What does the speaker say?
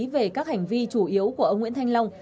về các hành vi chủ yếu của ông nguyễn thanh long